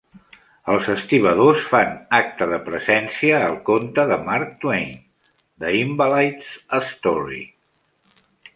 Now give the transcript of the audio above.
Els estibadors fan acte de presència al conte de Mark Twain, The Invalid's Story.